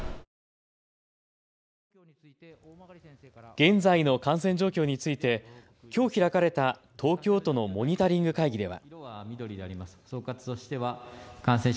現在の感染状況についてきょう開かれた東京都のモニタリング会議では。